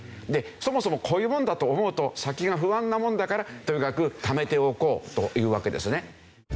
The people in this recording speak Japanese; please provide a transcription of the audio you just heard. そもそもこういうもんだと思うと先が不安なもんだからとにかくためておこうというわけですね。